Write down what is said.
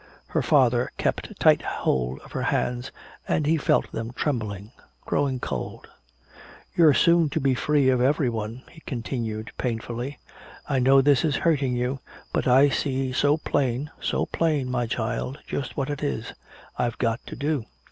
Her father kept tight hold of her hands, and he felt them trembling, growing cold. "You're soon to be free of everyone," he continued painfully. "I know this is hurting you, but I see so plain, so plain, my child, just what it is I've got to do.